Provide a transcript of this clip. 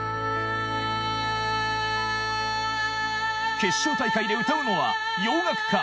決勝大会で歌うのは洋楽か？